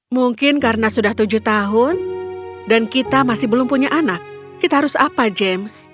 mungkin karena sudah tujuh tahun dan kita masih belum punya anak kita harus apa james